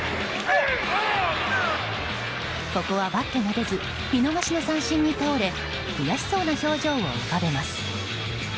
ここはバットが出ず見逃しの三振に倒れ悔しそうな表情を浮かべます。